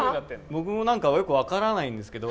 僕もよく分からないんですけど